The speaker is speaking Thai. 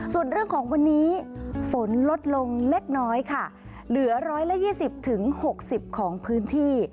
ส่วนเรื่องของวันนี้ฝนลดลงเล็กน้อยค่ะเหลือ๑๒๐๖๐ของพื้นที่